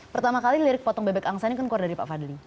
pertama kali lirik potong bebek angsa ini kan keluar dari pak fadli